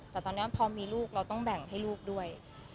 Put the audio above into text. แต่ตอนนี้พอมีลูกเราต้องแบ่งให้ลูกด้วย